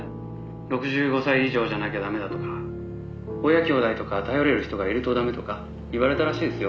「６５歳以上じゃなきゃダメだとか親兄弟とか頼れる人がいるとダメとか言われたらしいですよ」